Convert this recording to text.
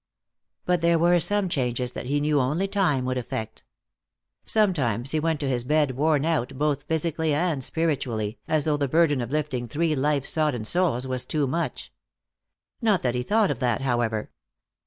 But there were some changes that he knew only time would effect. Sometimes he went to his bed worn out both physically and spiritually, as though the burden of lifting three life sodden souls was too much. Not that he thought of that, however.